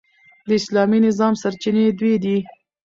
د اسلامي نظام سرچینې دوې دي.